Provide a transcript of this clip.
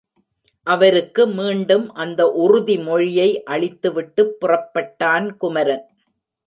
அவருக்கு மீண்டும் அந்த உறுதிமொழியை அளித்து விட்டுப் புறப்பட்டான் குமரன்.